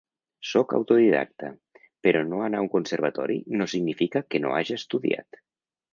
Sóc autodidacta, però no anar a un conservatori no significa que no haja estudiat.